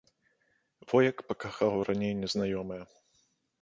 Во як пакахаў раней незнаёмае.